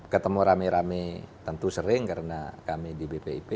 ketemu rame rame tentu sering karena kami di bpip